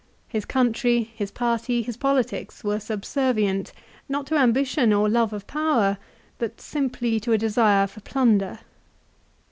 His country, his party, his politics were sub servient, not to ambition or love of power, but simply to a desire for plunder.